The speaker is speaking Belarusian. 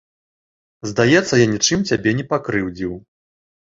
Здаецца, я нічым цябе не пакрыўдзіў.